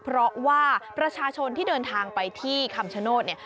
เพราะว่าประชาชนที่เดินทางไปที่คำชโนธเนี่ย